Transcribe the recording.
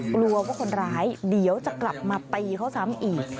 กลัวว่าคนร้ายเดี๋ยวจะกลับมาตีเขาซ้ำอีก